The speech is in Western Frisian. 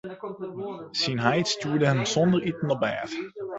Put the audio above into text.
Syn heit stjoerde him sonder iten op bêd.